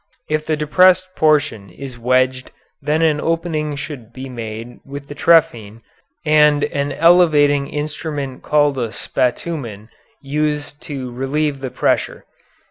If the depressed portion is wedged then an opening should be made with the trephine and an elevating instrument called a spatumen used to relieve the pressure.